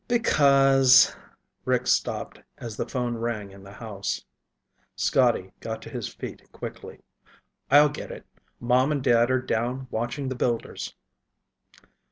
"Because..." Rick stopped as the phone rang in the house. Scotty got to his feet quickly. "I'll get it. Mom and Dad are down watching the builders."